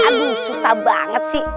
aduh susah banget sih